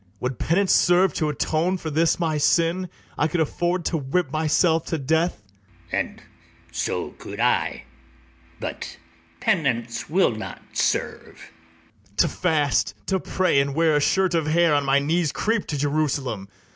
Would penance serve [to atone] for this my sin, I could afford to whip myself to death, ITHAMORE. And so could I; but penance will not serve. BARABAS. To fast, to pray, and wear a shirt of hair, And on my knees creep to Jerusalem.